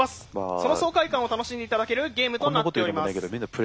その爽快感を楽しんで頂けるゲームとなっております。